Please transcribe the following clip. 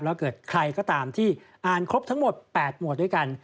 แล้วเกิดใครก็ตามที่อ่านครบทั้งหมด๘หมวดด้วยกัน